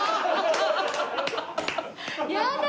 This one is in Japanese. やだ！